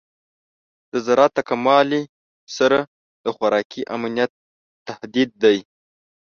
د زراعت د کموالی سره د خوراکي امنیت تهدید دی.